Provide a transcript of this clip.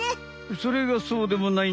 それがそうでもないんだわさ。